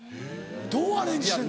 どうアレンジしてんの？